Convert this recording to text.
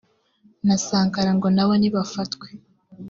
na Sankara ngo nabo nibafatwe